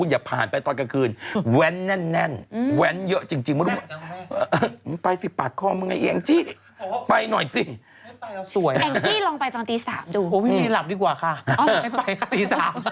โอ้โหนี่มีนหลับดีกว่าถ้าไม่ไปล้างนี้ต้องไปตอนตี๓